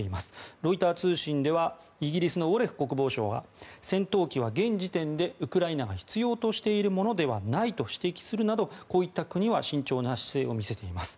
ロイター通信ではイギリスのウォレス国防相は戦闘機は現時点でウクライナが必要としているものではないと指摘するなど、こういった国は慎重な姿勢を見せています。